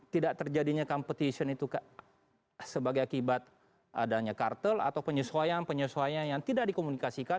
tidak terjadinya competition itu sebagai akibat adanya kartel atau penyesuaian penyesuaian yang tidak dikomunikasikan